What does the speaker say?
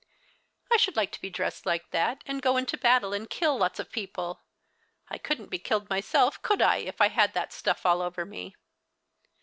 " I shoukl like to be dressed like that, and go into a battle and kill lots of people. I couldn't be killed myself, conld I, if I had that stuff all over me